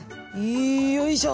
いよいしょ。